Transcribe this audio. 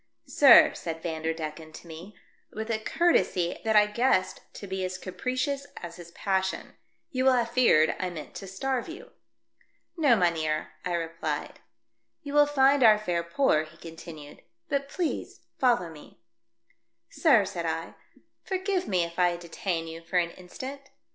" Sir," said Vanderdecken to me, with a courtesy that I guessed to be as capricious as his passion, " you will have feared I meant to starve you." I AM SHOWN A PRESENT FOR MARGARETHA. I I 5 " No, mynheer," I replied. " You will find our fare poor," he con tinued. "Be pleased to follow me." "Sir," said I, "forgive me if I detain you for an instant.